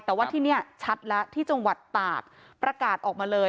แต่ว่าที่นี่ชัดแล้วที่จังหวัดตากประกาศออกมาเลย